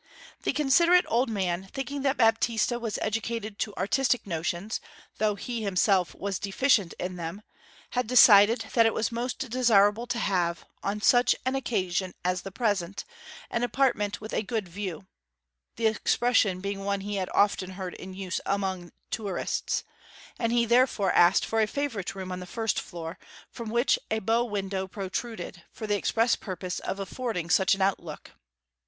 The considerate old man, thinking that Baptista was educated to artistic notions, though he himself was deficient in them, had decided that it was most desirable to have, on such an occasion as the present, an apartment with 'a good view' (the expression being one he had often heard in use among tourists); and he therefore asked for a favourite room on the first floor, from which a bow window protruded, for the express purpose of affording such an outlook.